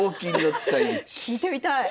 聞いてみたい。